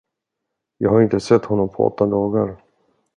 Jag har inte sett honom på åtta dagar.